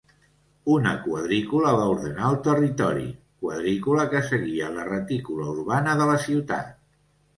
Una quadrícula va ordenar el territori, quadrícula que seguia la retícula urbana de la ciutat.